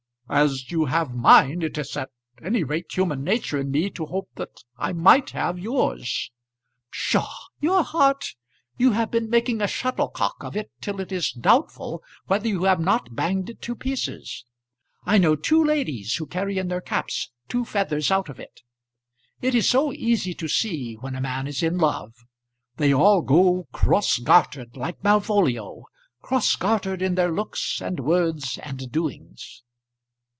"As you have mine, it is at any rate human nature in me to hope that I might have yours." "Psha! your heart! You have been making a shuttlecock of it till it is doubtful whether you have not banged it to pieces. I know two ladies who carry in their caps two feathers out of it. It is so easy to see when a man is in love. They all go cross gartered like Malvolio; cross gartered in their looks and words and doings."